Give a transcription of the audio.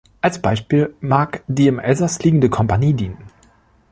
Als Beispiel mag die im Elsass liegende Kompanie dienen.